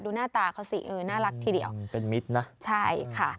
หน้าตาเขาสิเออน่ารักทีเดียวเป็นมิตรนะใช่ค่ะ